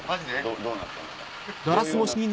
どうなったのか。